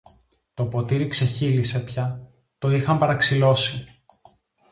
Το ποτήρι ξεχείλισε πια, το είχαν παραξηλώσει!